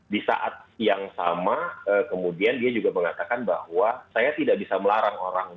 di saat yang sama kemudian dia juga mengatakan bahwa saya tidak bisa melarang orang